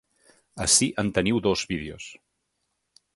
Ací en teniu dos vídeos.